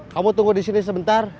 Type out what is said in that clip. kamu tunggu di sini sebentar